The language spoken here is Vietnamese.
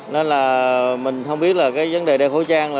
nên là mình không biết vấn đề đeo khẩu trang